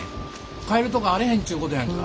帰るとこあれへんちゅうことやんか。